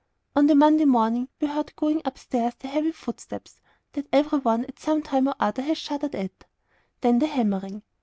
On the Monday morning we heard going up stairs the heavy footsteps that every one at some time or other has shuddered at; then the hammering.